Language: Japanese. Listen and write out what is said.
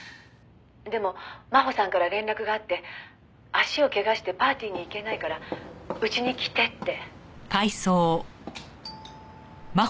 「でも真帆さんから連絡があって足をけがしてパーティーに行けないからうちに来てって」